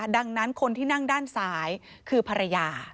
ดังนั้นคนที่นั่งด้านซ้ายคือภรรยา